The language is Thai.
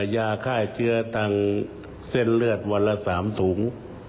ยาฆ่าเชื้อทางเส้นเลือดวันละ๓ถุง